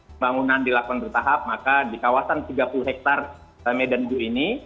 pembangunan dilakukan bertahap maka di kawasan tiga puluh hektare medan due ini